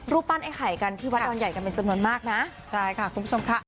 ปั้นไอ้ไข่กันที่วัดดอนใหญ่กันเป็นจำนวนมากนะใช่ค่ะคุณผู้ชมค่ะ